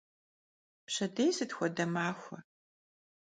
Pşedêy sıt xuede maxue?